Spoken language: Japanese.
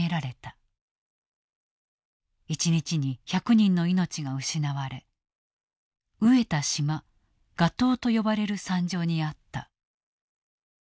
一日に１００人の命が失われ餓えた島餓島と呼ばれる惨状にあった。